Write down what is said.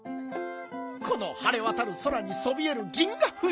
このはれわたる空にそびえる銀河富士。